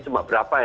cuma berapa ya